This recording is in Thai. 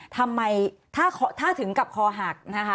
ถ้าถึงกับคอหักนะคะ